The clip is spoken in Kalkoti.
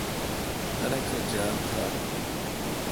ار اک سہ جار تھال۔